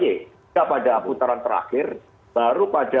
tidak pada putaran terakhir baru pada h satu dua ribu empat belas